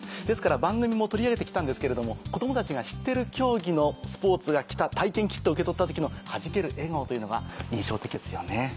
ですから番組も取り上げて来たんですけれども子供たちが知ってる競技のスポーツが来た体験キットを受け取った時のはじける笑顔というのが印象的ですよね。